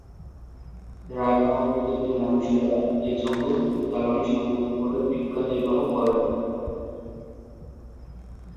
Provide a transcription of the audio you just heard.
রাভা উপজাতির মানুষেরা এই জঙ্গল থেকে জ্বালানি সংগ্রহ করে জীবিকা নির্বাহ করে।